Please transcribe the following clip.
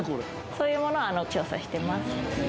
そういうものを調査してます